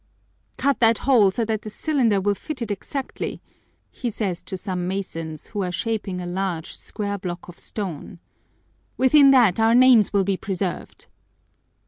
"Cut that hole so that this cylinder will fit it exactly," he says to some masons who are shaping a large square block of stone. "Within that our names will be preserved."